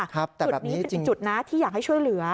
จุดนี้เป็นอีกจุดนะที่อยากให้ช่วยเหลือ